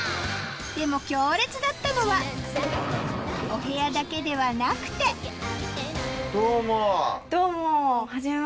でも強烈だったのはお部屋だけではなくてどうも。